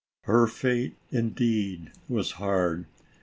Her fate indeed was hard.